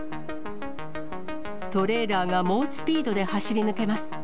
トレーラーが猛スピードで走り抜けます。